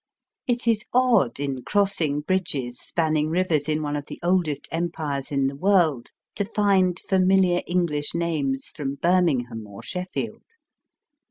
It is odd in crossing bridges spanning rivers in one of the oldest empires in the world to find familiar English names from Birmingham or Sheffield.